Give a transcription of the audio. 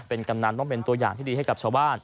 เป็นกำนันต้องเป็นตัวอย่างที่ดีให้กับชาวบ้าน